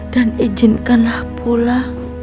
dan ijinkanlah pula